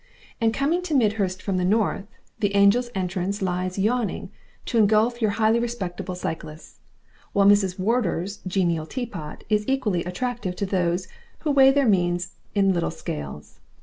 And coming to Midhurst from the north, the Angel's entrance lies yawning to engulf your highly respectable cyclists, while Mrs. Wardor's genial teapot is equally attractive to those who weigh their means in little scales.